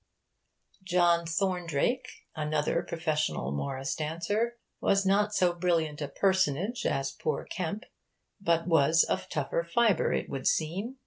John Thorndrake, another professional Morris dancer, was not so brilliant a personage as poor Kemp; but was of tougher fibre, it would seem.